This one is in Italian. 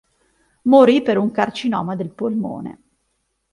Morì per un carcinoma del polmone.